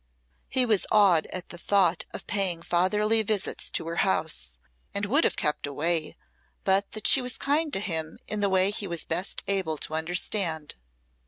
He was awed at the thought of paying fatherly visits to her house, and would have kept away, but that she was kind to him in the way he was best able to understand.